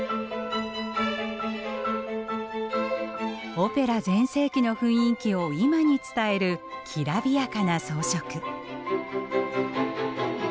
オペラ全盛期の雰囲気を今に伝えるきらびやかな装飾。